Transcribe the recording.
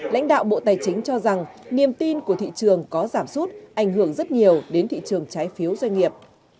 lãnh đạo bộ tài chính cho rằng niềm tin của thị trường có giảm sút ảnh hưởng rất nhiều đến thị trường trái phiếu doanh nghiệp